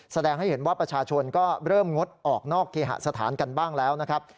แสดงให้เห็นว่าประชาชนก็เริ่มงดออกนอกเคหสถานกันบ้างแล้วนะครับ